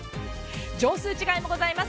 畳数ｓ違いもございます。